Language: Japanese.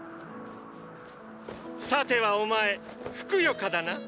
さてはお前ふくよかだな⁉